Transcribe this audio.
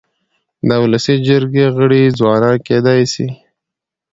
د ولسي جرګي غړي ځوانان کيدای سي.